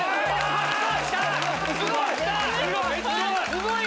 すごい！